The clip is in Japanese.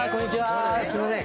すいません。